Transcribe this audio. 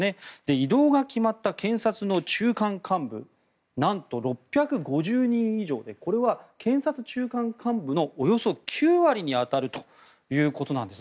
異動が決まった検察の中間幹部なんと６５０人以上でこれは検察中間幹部のおよそ９割に当たるということです。